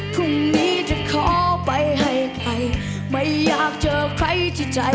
พรุ่งนี้จะขอไปให้ใครไม่อยากเจอใครที่ใจ